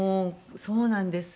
そうなんです。